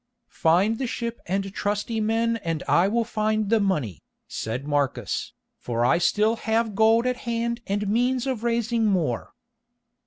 "Find the ship and trusty men and I will find the money," said Marcus, "for I still have gold at hand and the means of raising more."